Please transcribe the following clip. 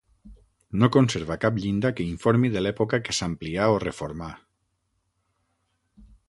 No conserva cap llinda que informi de l'època que s'amplià o reformà.